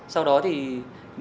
sau đó thì nếu người dùng